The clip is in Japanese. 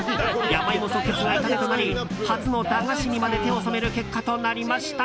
ヤマイモ即決が痛手となり初の駄菓子にまで手を染める結果となりました。